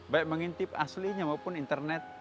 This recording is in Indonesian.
baik mengintip aslinya maupun internet